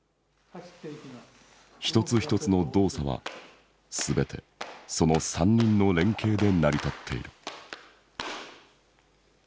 一つ一つの動作は全てその三人の連携で成り立っている。